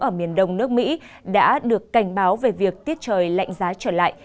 ở miền đông nước mỹ đã được cảnh báo về việc tiết trời lạnh giá trở lại